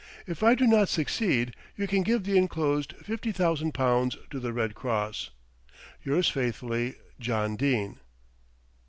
If I do not succeed, you can give the enclosed £50,000 to the Red Cross. "Yours faithfully, "JOHN DENE."